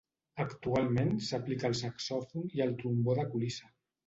Actualment s'aplica al saxòfon i al trombó de colissa.